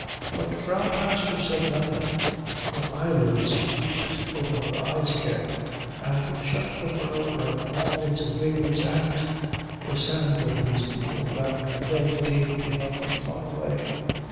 But Frau Pastor said nothing. Her eyelids drooped over her eyes again, and shut the world and all its vigours out. The sound of these people round her bed came to her from far away.